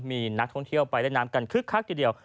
มีนักท่องเที่ยวไปเล่นน้ำกันคึกคักทีเดียว